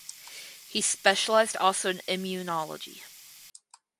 He specialized also in Immunology.